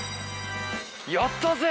やったぜ！